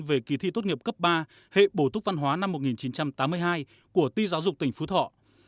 về kỳ thi tốt nghiệp cấp ba hệ bổ túc văn hóa năm một nghìn chín trăm tám mươi hai của ti giáo dục tỉnh phú thọ